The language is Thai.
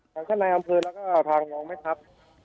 ข้างข้างในกลางพื้นแล้วก็ทางมองไหมครับ